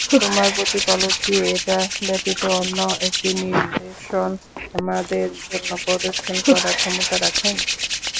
তোমার প্রতিপালক কি এটা ব্যতীত অন্য একটি নিদর্শন আমাদের জন্যে প্রদর্শন করার ক্ষমতা রাখেন?